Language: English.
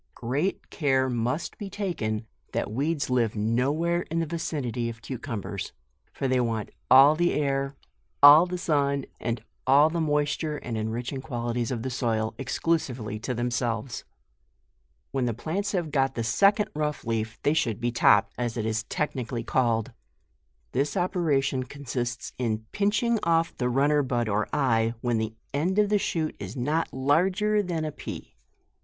Great care must be taken that weeds live no where in the vicinity of cu cumbers, for they want all the air, all the sun, and all the moisture and enriching quali ties of the soil, exclusively to themselves. When the plants have got the second rough leaf they should be topped, as it is 144 JUNE. technically called. This operation consists in pinching off the runner bud or eye, when the end of the shoot is not larger than a pea.